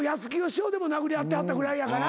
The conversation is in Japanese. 師匠でも殴り合ってはったぐらいやから。